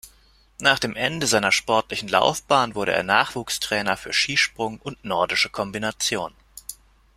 Nach dem Ende seiner sportlichen Laufbahn wurde er Nachwuchstrainer für Skisprung und Nordische Kombination.